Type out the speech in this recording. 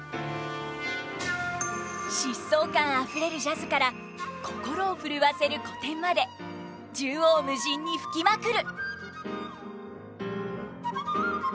疾走感あふれるジャズから心をふるわせる古典まで縦横無尽に吹きまくる！